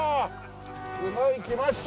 すごいきました。